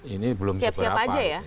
ini belum seberapa